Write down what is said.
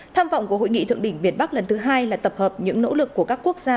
tham vọng của hội nghị thượng đỉnh việt bắc lần thứ hai là tập hợp những nỗ lực của các quốc gia